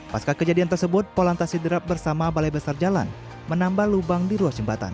pasca kejadian tersebut polantas sidrap bersama balai besar jalan menambah lubang di ruas jembatan